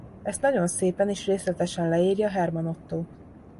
Ezt nagyon szépen és részletesen leírja Herman Ottó.